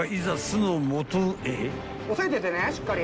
押さえててねしっかり。